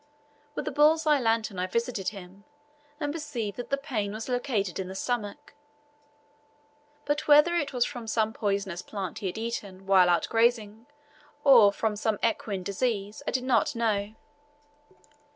With a bull's eye lantern, I visited him, and perceived that the pain was located in the stomach, but whether it was from some poisonous plant he had eaten while out grazing, or from some equine disease, I did not know.